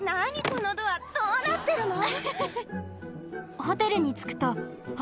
このドアどうなってるの？